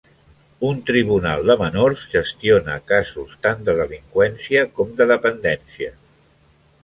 Un tribunal de menors gestiona casos tant de delinqüència com de dependència.